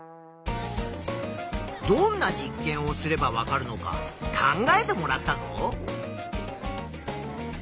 どんな実験をすればわかるのか考えてもらったぞ。